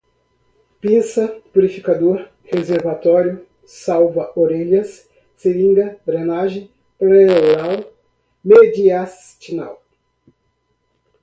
pinça, purificador, reservatório, salva-orelhas, seringa, drenagem, pleural, mediastinal